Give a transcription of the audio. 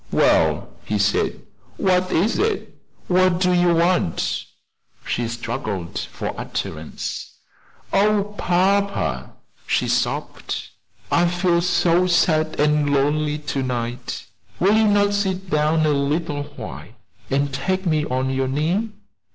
"Well," he said, "what is it what do you want?" She struggled for utterance. "Oh, papa!" she sobbed, "I feel so sad and lonely to night will you not sit down a little while and take me on your knee?